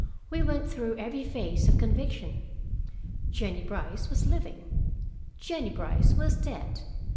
We went through every phase of conviction: Jennie Brice was living. Jennie Brice was dead.